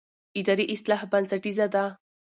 اداري اصلاح بنسټیزه ده